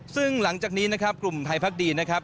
ซึ่งหลังจากนี้นะครับกลุ่มไทยพักดีนะครับ